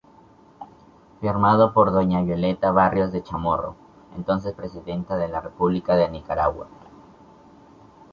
Firmado por Doña Violeta Barrios de Chamorro, entonces Presidenta de la República de Nicaragua.